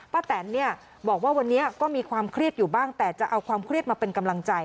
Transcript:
แตนเนี่ยบอกว่าวันนี้ก็มีความเครียดอยู่บ้างแต่จะเอาความเครียดมาเป็นกำลังใจ